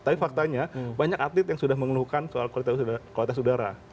tapi faktanya banyak atlet yang sudah mengeluhkan soal kualitas udara